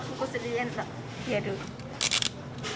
やる。